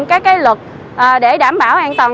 các luật để đảm bảo an toàn